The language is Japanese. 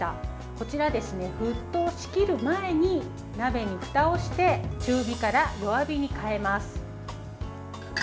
こちらですね、沸騰しきる前に鍋にふたをして中火から弱火に変えます。